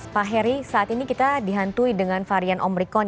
pak heri saat ini kita dihantui dengan varian omikron